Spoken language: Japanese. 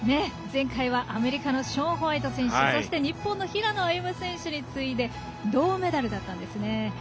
前回はアメリカのショーン・ホワイト選手そして、日本の平野歩夢選手に次いで銅メダルだったんですね。